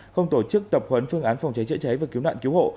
không tổ chức tập huấn phương án phòng cháy chữa cháy và cứu nạn cứu hộ